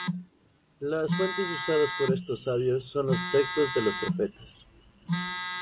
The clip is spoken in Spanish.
Las fuentes usadas por estos sabios son los textos de los profetas.